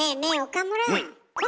岡村。